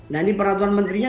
nah ini peraturan menterinya